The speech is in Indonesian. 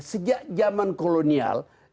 sejak zaman kolonial